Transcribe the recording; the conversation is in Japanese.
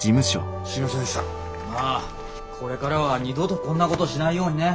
まあこれからは二度とこんなことしないようにね。